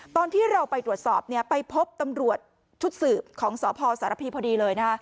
ตอนที่เราไปตรวจสอบไปพบตำรวจชุดสืบของสพสารพีพอดีเลย